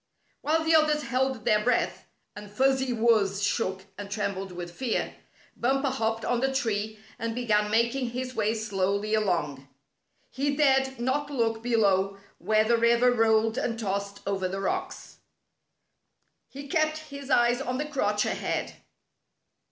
While the others held their breath, and Fuzzy Wuzz shook and trembled with fear. Bumper hopped on the tree, and began making his way slowly along. He dared not look below where A Test of Courage 49 the river rolled and tossed over the rocks. He kept his eyes on the crotch ahead.